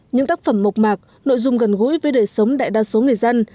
những tác phẩm mộc mạc nội dung gần gũi với đời sống đại đa số người dân